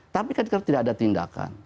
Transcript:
tapi kan sekarang tidak ada tindakan